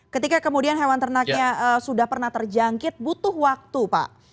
ketika kemudian hewan ternaknya sudah pernah terjangkit butuh waktu pak